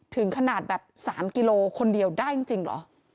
ถึงขนาดแบบ๓กิโลคนเดียวได้จริงเหรอ